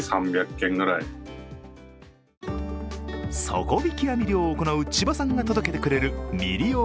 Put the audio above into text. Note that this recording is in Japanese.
底引き網漁を行う千葉さんが届けてくれる未利用